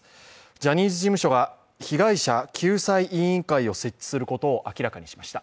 ジャニーズ事務所が被害者救済委員会を設置することを明らかにしました。